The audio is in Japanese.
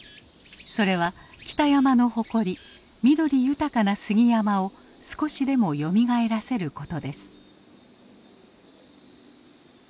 それは北山の誇り「緑豊かな杉山」を少しでもよみがえらせることです。